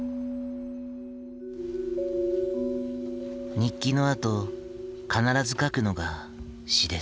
日記のあと必ず書くのが詩です。